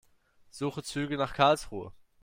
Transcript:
Suche Züge nach Karlsruhe.